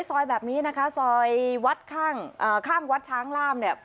ซอยแบบนี้นะคะซอยวัดข้างข้างวัดช้างล่ามเนี่ย